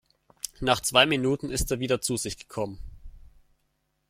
Nach zwei Minuten ist er wieder zu sich gekommen.